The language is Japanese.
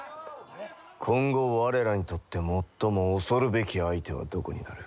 今後我らにとって最も恐るべき相手はどこになる？